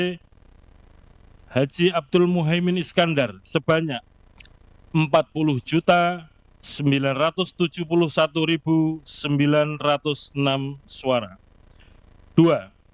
haji abdul muhaymin iskandar sebanyak empat puluh sembilan ratus tujuh puluh satu sembilan ratus enam suara